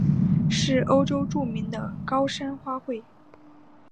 是欧洲著名的高山花卉。